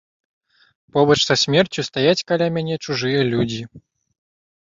Побач са смерцю стаяць каля мяне чужыя людзі.